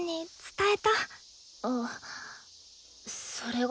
あそれが。